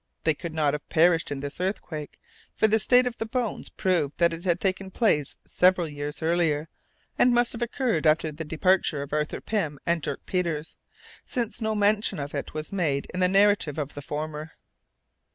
They could not then have perished in this earthquake, for the state of the bones proved that it had taken place several years earlier, and must have occurred after the departure of Arthur Pym and Dirk Peters, since no mention of it was made in the narrative of the former.